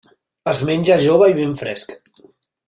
Es menja jove i ben fresc.